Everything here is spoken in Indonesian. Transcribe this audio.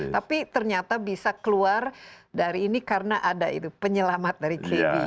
tapi ternyata bisa keluar dari ini karena ada itu penyelamat dari kb